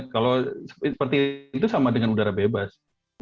kalau seperti itu sama dengan udara bebas